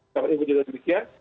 saya kira juga sebagian